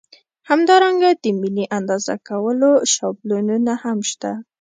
همدارنګه د ملي اندازه کولو شابلونونه هم شته.